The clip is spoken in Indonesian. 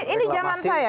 ini jangan saya